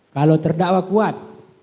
kalau terdakwa kuat